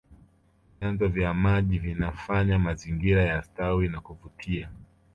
vyanzo vya maji vinafanya mazingira yastawi na kuvutia